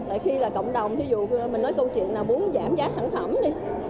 tại khi là cộng đồng thí dụ mình nói câu chuyện là muốn giảm giá sản phẩm đi